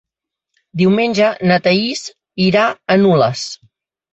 Diumenge na Thaís irà a Nules.